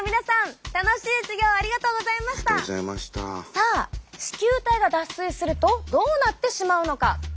さあ糸球体が脱水するとどうなってしまうのか。